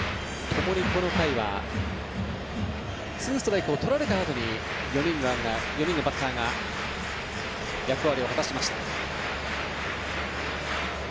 ともに、この回はツーストライクをとられたあとに４人のバッターが役割を果たしました。